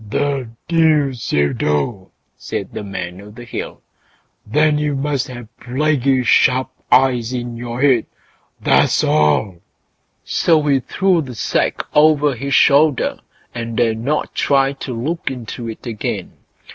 "The deuce you do!" said the Man o' the Hill; "then you must have plaguy sharp eyes in your head, that's all!" So he threw the sack over his shoulder, and dared not try to look into it again.